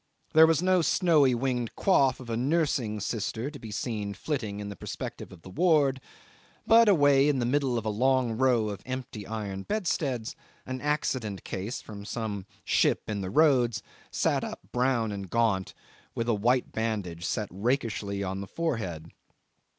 There was no snowy winged coif of a nursing sister to be seen flitting in the perspective of the ward; but away in the middle of a long row of empty iron bedsteads an accident case from some ship in the Roads sat up brown and gaunt with a white bandage set rakishly on the forehead.